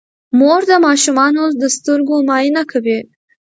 مور د ماشومانو د سترګو معاینه کوي.